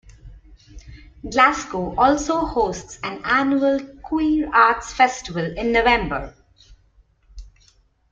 Glasgow also hosts an annual queer arts festival in November.